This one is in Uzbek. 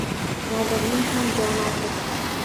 Nodirning ham joni og‘ridi.